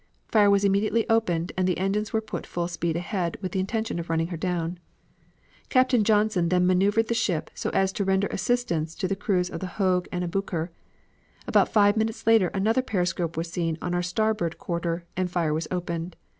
Fire was immediately opened, and the engines were put full speed ahead with the intention of running her down. ... "Captain Johnson then maneuvered the ship so as to render assistance to the crews of the Hogue and Aboukir. About five minutes later another periscope was seen on our starboard quarter, and fire was opened.